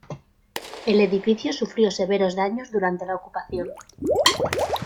El edificio sufrió severos daños durante la ocupación.